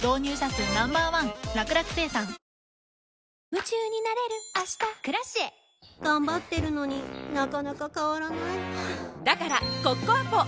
夢中になれる明日「Ｋｒａｃｉｅ」頑張ってるのになかなか変わらないはぁだからコッコアポ！